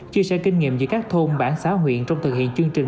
chia sẻ kinh nghiệm giữa các thôn bản xã huyện trong thực hiện chương trình